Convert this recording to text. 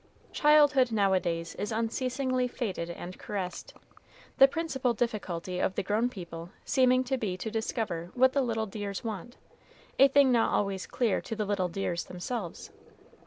Childhood nowadays is unceasingly fêted and caressed, the principal difficulty of the grown people seeming to be to discover what the little dears want, a thing not always clear to the little dears themselves.